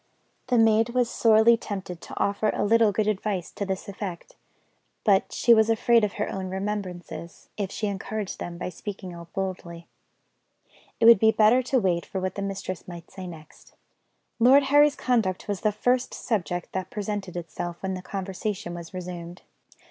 The maid was sorely tempted to offer a little good advice to this effect; but she was afraid of her own remembrances, if she encouraged them by speaking out boldly. It would be better to wait for what the mistress might say next. Lord Harry's conduct was the first subject that presented itself when the conversation was resumed.